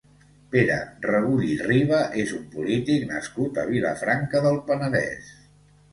Pere Regull i Riba és un polític nascut a Vilafranca del Penedès.